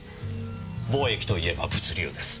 貿易といえば物流です。